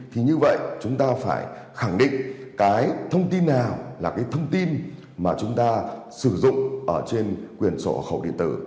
thì như vậy chúng ta phải khẳng định cái thông tin nào là cái thông tin mà chúng ta sử dụng ở trên quyền sổ hộ khẩu điện tử